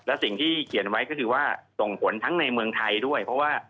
และสิ่งที่เขียนไว้ก็คือว่าส่งผลทั้งในเมืองไทยด้วยเพราะว่า